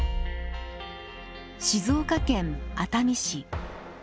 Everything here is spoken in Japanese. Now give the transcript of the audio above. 静岡県熱海市。